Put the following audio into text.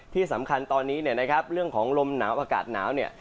ที่สำคัญตอนนี้เนี่ยนะครับเรื่องของลมหนาวอากาศหนาวเนี่ย